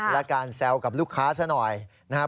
และการแซวกับลูกค้าเฉพาะนะครับ